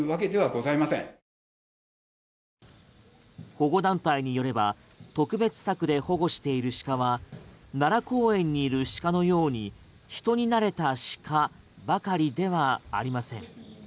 保護団体によれば特別柵で保護している鹿は奈良公園にいる鹿のように人に慣れた鹿ばかりではありません。